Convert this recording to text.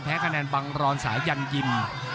คะแนนบังรอนสายันยิม